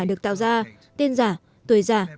được tạo ra tên giả tuổi giả